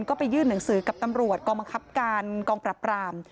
ก็ไปยื่นหนังสือกับตำรวจกองบังคับการกองปรับราม